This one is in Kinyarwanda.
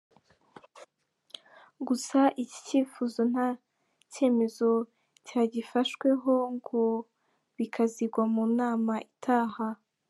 Gusa iki cyifuzo nta cyemezo cyagifashweho ngo bikazigwa mu nama itaha.